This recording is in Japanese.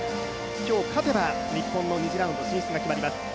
今日勝てば日本の２次ラウンド進出が決まります。